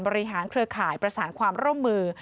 บริหารเครือข่ายประสานความร่ำมือ